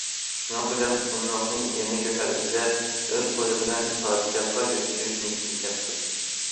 شۇنىڭ بىلەن قۇملۇقتىن يەنە گۆھەر ئىزدەپ ئۆز قۇلى بىلەن پادىشاھقا يەتكۈزۈش نىيىتىگە كەپتۇ.